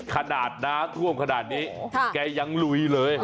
ขนาดน้ำท่วมขนาดนี้แกยังลุยเลย